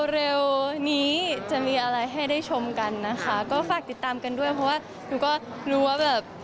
เร็วนี้จะมีอะไรให้ได้ชมกันนะคะก็ฝากติดตามกันด้วยเพราะว่าหนูก็รู้ว่าแบบ